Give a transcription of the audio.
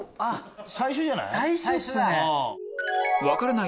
最初じゃない？